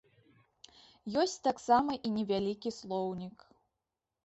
Ёсць таксама і невялікі слоўнік.